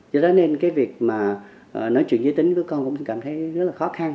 do đó nên cái việc mà nói chuyện giới tính với con cũng thì cảm thấy rất là khó khăn